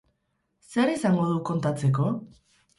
Zer izango du kontatzeko?